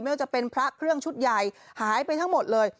ไม่ว่าจะเป็นพระเครื่องชุดใหญ่หายไปทั้งหมดเลย